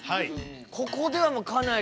ここではかなり。